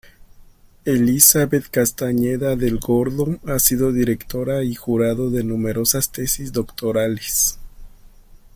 Elizabeth Castañeda del Gordo ha sido directora y jurado de numerosas tesis doctorales.